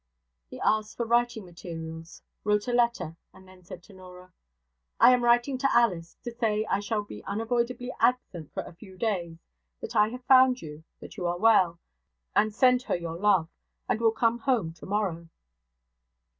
He asked for writing materials, wrote a letter, and then said to Norah: 'I am writing to Alice, to say I shall be unavoidably absent for a few days; that I have found you; that you are well, and send her your love, and will come home tomorrow.